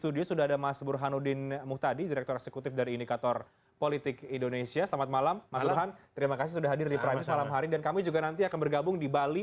dan kami juga nanti akan bergabung di bali